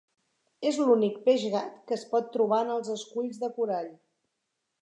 És l'únic peix gat que es pot trobar en els esculls de corall.